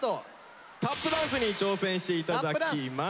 タップダンスに挑戦していただきます。